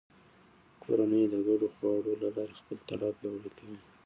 کورنۍ د ګډو خواړو له لارې خپل تړاو پیاوړی کوي